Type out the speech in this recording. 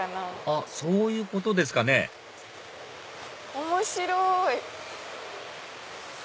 あっそういうことですかね面白い！